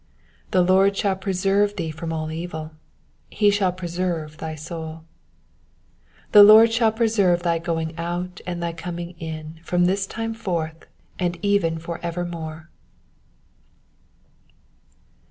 7 The Lord shall preserve thee from all evil : he shall preserve thy soul. 8 The Lord shall preserve thy going out and thy coming in from this time forth, and even for evermore.